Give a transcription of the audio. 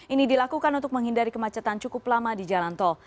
ini dilakukan untuk menghindari kemacetan cukup lama di jalan tol